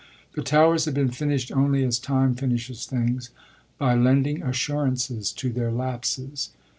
The towers had been finished only as time finishes things, by lending assurances to their lapses.